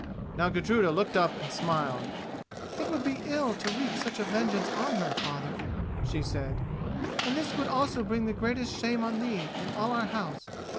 Now Gudruda looked up and smiled: "It would be ill to wreak such a vengeance on her, father," she said; "and this would also bring the greatest shame on thee, and all our house.